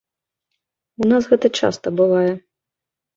У нас гэта часта бывае.